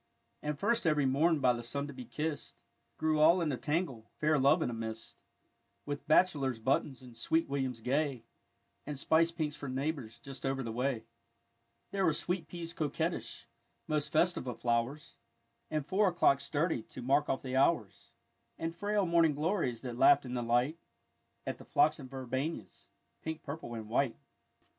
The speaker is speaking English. And, first every morn by the sun to be kissed, Grew, all in a tangle, fair love in a mist, With bachelor's buttons, and sweet williams gay, And spice pinks for neighbours just over the way; There were sweet peas coquettish, most fes tive of flowers, And four o 'clocks sturdy to mark off the hours, And frail morning glories that laughed in the light At the phlox and verbenas, pink, purple, and white.